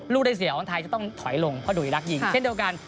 ลูกได้เสียของไทยจะต้องถอยลงเพราะดูอีรักษ์ยิงเช่นเดียวกัน